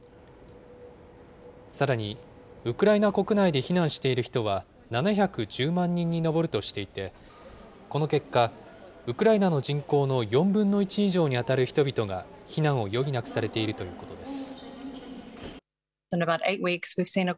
さらにウクライナ国内で避難している人は７１０万人に上るとしていて、この結果、ウクライナの人口の４分の１以上に当たる人々が避難を余儀なくされているということです。